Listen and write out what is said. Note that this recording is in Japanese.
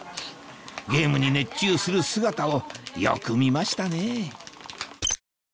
ゲームに熱中する姿をよく見ましたね